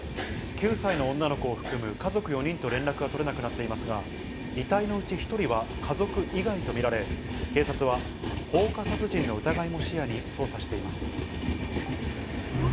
９歳の女の子を含む家族４人と連絡が取れなくなっていますが、遺体のうち１人は家族以外と見られ、警察は放火殺人の疑いも視野に捜査しています。